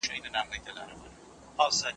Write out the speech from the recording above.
سلګۍ یې ودرېدې،